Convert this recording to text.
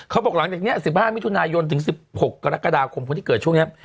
เขาบอกหลังจากนี้๑๕มิถุนายนถึง๑๖กรกฎาคมคนที่เกิดช่วงนี้